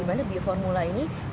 dimana bioformula ini